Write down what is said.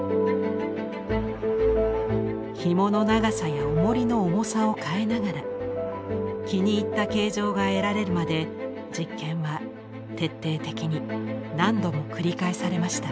ひもの長さやおもりの重さを変えながら気に入った形状が得られるまで実験は徹底的に何度も繰り返されました。